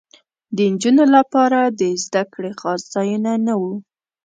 د نجونو لپاره د زدکړې خاص ځایونه نه وو